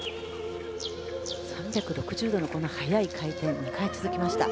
３６０度の速い回転が２回続きました。